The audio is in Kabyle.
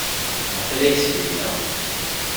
Maɣef ay la yetteg aya?